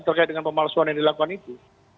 terkait dengan pemalsuan yang dilakukan itu